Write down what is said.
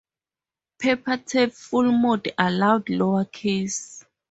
Paper tape 'full' mode allowed lower case.